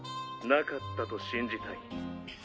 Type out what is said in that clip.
なかったと信じたい。